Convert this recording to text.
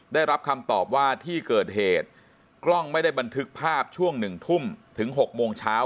ได้รับคำตอบว่าที่เกิดเหตุกล้องไม่ได้บันทึกภาพช่วง๑ทุ่มถึง๖โมงเช้า